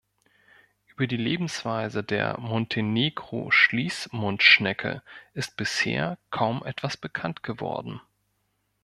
Über die Lebensweise der Montenegro-Schließmundschnecke ist bisher kaum etwas bekannt geworden.